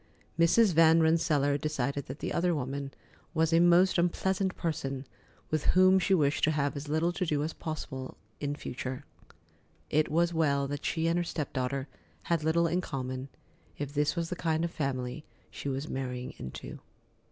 Mrs. Van Rensselaer decided that the other woman was a most unpleasant person, with whom she wished to have as little to do as possible in future. It was well that she and her step daughter had little in common, if this was the kind of family she was marrying into.